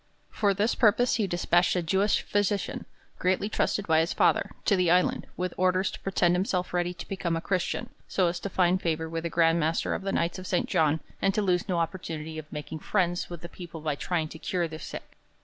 For this purpose he despatched a Jewish physician greatly trusted by his father, to the island, with orders to pretend himself ready to become a Christian so as to find favour with the Grand Master of the Knights of St. John, and to lose no opportunity of making friends with the people by trying to cure their sick.